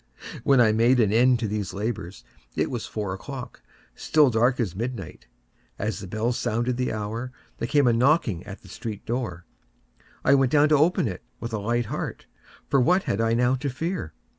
When I had made an end of these labors, it was four o'clock—still dark as midnight. As the bell sounded the hour, there came a knocking at the street door. I went down to open it with a light heart,—for what had I now to fear?